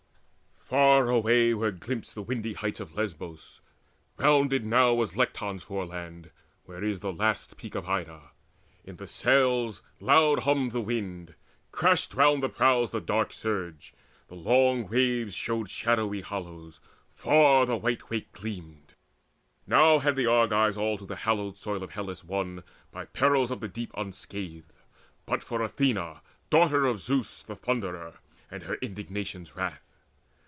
Far away were glimpsed The windy heights of Lesbos. Rounded now Was Lecton's foreland, where is the last peak Of Ida. In the sails loud hummed the wind, Crashed round the prows the dark surge: the long waves Showed shadowy hollows, far the white wake gleamed. Now had the Argives all to the hallowed soil Of Hellas won, by perils of the deep Unscathed, but for Athena Daughter of Zeus The Thunderer, and her indignation's wrath.